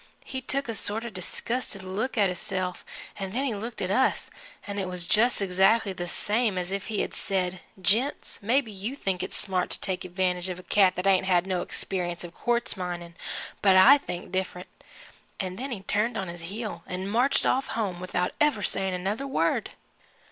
He took a sort of a disgusted look at hisself, 'n' then he looked at us an' it was just exactly the same as if he had said 'Gents, maybe you think it's smart to take advantage of a cat that ain't had no experience of quartz minin', but I think different' an' then he turned on his heel 'n' marched off home without ever saying another word.